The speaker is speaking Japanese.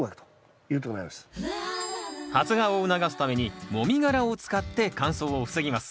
発芽を促すためにもみ殻を使って乾燥を防ぎます。